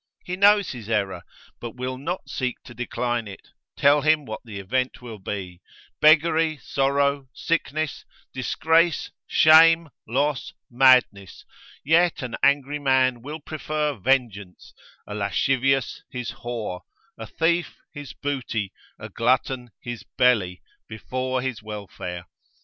He knows his error, but will not seek to decline it, tell him what the event will be, beggary, sorrow, sickness, disgrace, shame, loss, madness, yet an angry man will prefer vengeance, a lascivious his whore, a thief his booty, a glutton his belly, before his welfare.